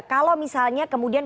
kalau misalnya kemudian